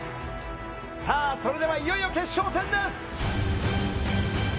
それでは、いよいよ決勝戦です。